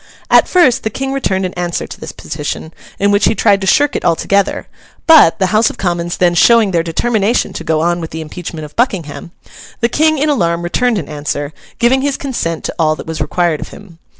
At first the King returned an answer to this petition, in which he tried to shirk it altogether; but, the House of Commons then showing their determination to go on with the impeachment of Buckingham, the King in alarm returned an answer, giving his consent to all that was required of him.